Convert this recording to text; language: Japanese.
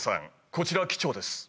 こちら機長です。